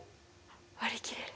割り切れる！